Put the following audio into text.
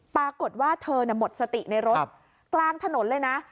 ปรากฏว่าเธอหมดสติในรถกลางถนนเลยนะ